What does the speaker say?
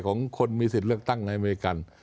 ของคนมีสิทธิ์เลือกตั้งในอเมริกัน